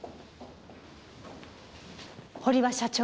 堀場社長は。